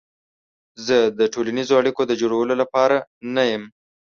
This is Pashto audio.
زه د ټولنیزو اړیکو د جوړولو لپاره نه یم.